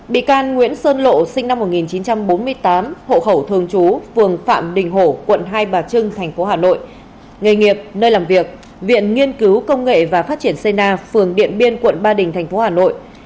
bị can nguyễn sơn lộ sinh năm một nghìn chín trăm bốn mươi tám hộ khẩu thường trú phường phạm đình hổ quận hai bà trưng tp hà nội nghề nghiệp nơi làm việc viện nghiên cứu công nghệ và phát triển cna phường điện biên quận ba đình tp hà nội